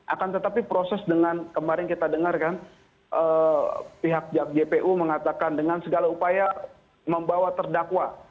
akan tetapi proses dengan kemarin kita dengar kan pihak jpu mengatakan dengan segala upaya membawa terdakwa